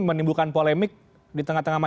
menimbulkan polemik di tengah tengah